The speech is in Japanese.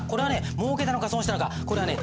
もうけたのか損したのかこれはね